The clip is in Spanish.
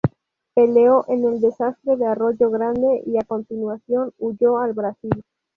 Peleó en el desastre de Arroyo Grande y a continuación huyó al Brasil.